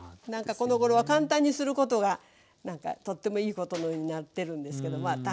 なんかこのごろは簡単にすることがなんかとってもいいことのようになってるんですけどま